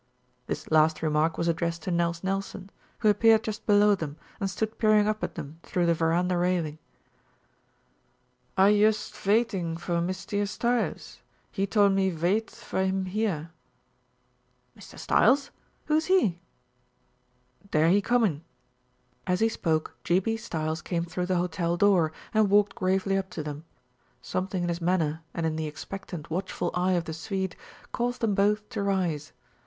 This last remark was addressed to Nels Nelson, who appeared just below them and stood peering up at them through the veranda railing. "I yust vaiting for Meestair Stiles. He tol' me vait for heem here." "Mr. Stiles? Who's he?" "Dere he coomin'." As he spoke G. B. Stiles came through the hotel door and walked gravely up to them. Something in his manner, and in the expectant, watchful eye of the Swede, caused them both to rise.